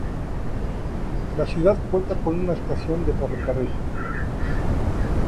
La ciudad cuenta con una estación de ferrocarril.